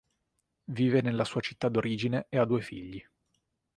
Vive nella sua città d'origine e ha due figli.